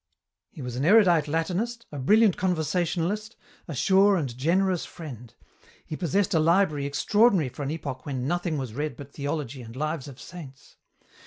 "He was an erudite Latinist, a brilliant conversationalist, a sure and generous friend. He possessed a library extraordinary for an epoch when nothing was read but theology and lives of saints.